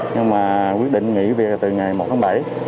nhưng mà quyết định nghỉ việc từ ngày một tháng bảy